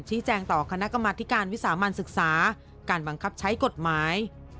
แจ้งต่อคณะกรรมธิการวิสามันศึกษาการบังคับใช้กฎหมาย